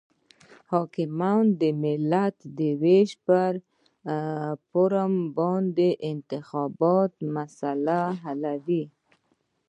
حاکمیان د ملت د وېش پر فارمول باندې د انتخاباتو مسلې حلوي.